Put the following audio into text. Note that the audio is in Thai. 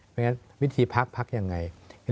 เพราะฉะนั้นวิธีพักพักยังไง